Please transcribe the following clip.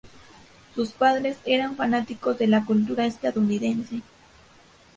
Sus padres eran fanáticos de la cultura estadounidense.